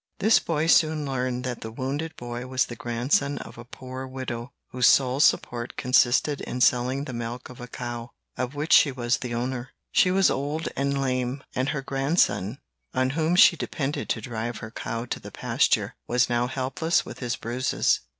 "This boy soon learned that the wounded boy was the grandson of a poor widow, whose sole support consisted in selling the milk of a cow, of which she was the owner. She was old and lame, and her grandson, on whom she depended to drive her cow to the pasture, was now helpless with his bruises.